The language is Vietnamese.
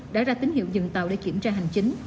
đã ra tín hiệu dừng tàu để kiểm tra hành chính